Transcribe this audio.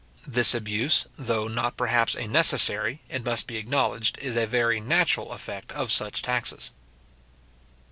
This abuse, though not perhaps a necessary, it must be acknowledged, is a very natural effect of such taxes.